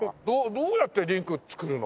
どうやってリンク作るの？